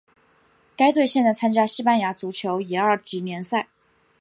该队现在参加西班牙足球乙二级联赛。